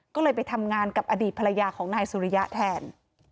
ก็เลยไปทำงานกับอดีตภรรยาของนายสุริยะแทน